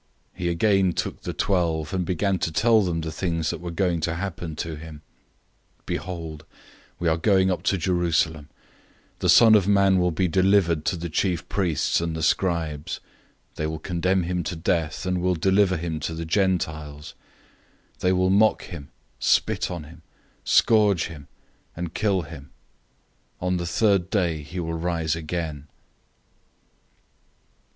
He again took the twelve, and began to tell them the things that were going to happen to him. 010:033 "Behold, we are going up to Jerusalem. The Son of Man will be delivered to the chief priests and the scribes. They will condemn him to death, and will deliver him to the Gentiles. 010:034 They will mock him, spit on him, scourge him, and kill him. On the third day he will rise again."